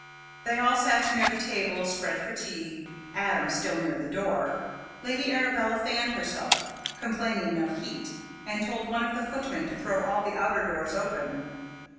They all sat near the table spread for tea, Adam still near the door. Lady Arabella fanned herself, complaining of heat, and told one of the footmen to throw all the outer doors open.